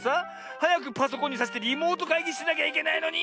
はやくパソコンにさしてリモートかいぎしなきゃいけないのに！